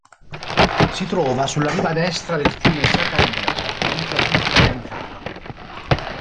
Si trova sulla riva destra del fiume Sakarya, nella provincia turca di Ankara.